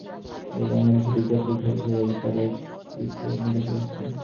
এই বাংলাদেশে রিজার্ভ লুট হয়েছে, এই টাকার কিছু অন্য দেশে গেছে।